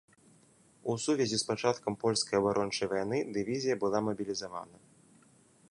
У сувязі з пачаткам польскай абарончай вайны дывізія была мабілізавана.